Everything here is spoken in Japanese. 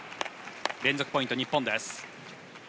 連続ポイント、日本です。